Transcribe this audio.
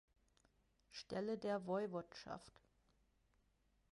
Stelle der Woiwodschaft.